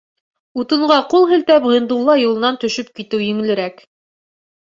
Утынға ҡул һелтәп, Ғиндулла юлынан төшөп китеү еңелерәк.